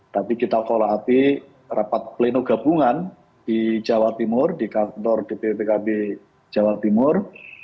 tapi kita follow up rapat pleno gabungan di jawa timur di kantor dppkb jawa timur